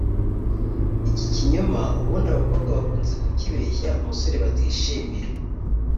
iki kinyoma ubundi abakobwa bakunze kukibeshya umusore batishimira